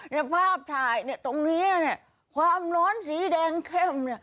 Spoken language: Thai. ในภาพถ่ายตรงนี้ความร้อนสีแดงเข้ม